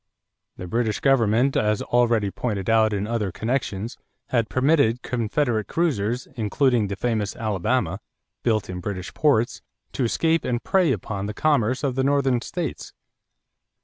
The British government, as already pointed out in other connections, had permitted Confederate cruisers, including the famous Alabama, built in British ports, to escape and prey upon the commerce of the Northern states.